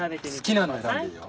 好きなの選んでいいよ。